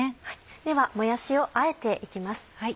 ではもやしをあえて行きます。